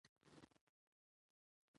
تنوع د افغانستان د زرغونتیا نښه ده.